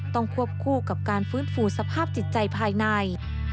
ควบคู่กับการฟื้นฟูสภาพจิตใจภายใน